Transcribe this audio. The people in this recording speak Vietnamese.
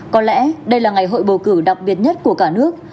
có lẽ đây là ngày hội bầu cử đặc biệt nhất của cả nước